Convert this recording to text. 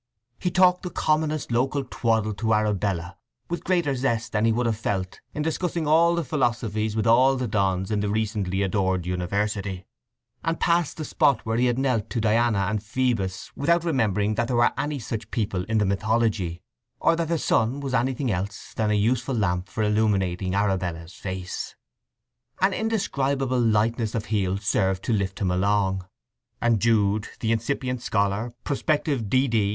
He talked the commonest local twaddle to Arabella with greater zest than he would have felt in discussing all the philosophies with all the Dons in the recently adored university, and passed the spot where he had knelt to Diana and Phœbus without remembering that there were any such people in the mythology, or that the sun was anything else than a useful lamp for illuminating Arabella's face. An indescribable lightness of heel served to lift him along; and Jude, the incipient scholar, prospective D.D.